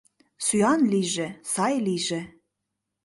Сӱан лийже, сай лийже